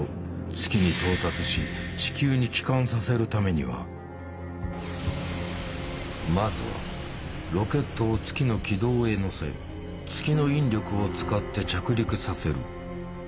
月に到達し地球に帰還させるためにはまずはロケットを月の軌道へ乗せ月の引力を使って着陸させる。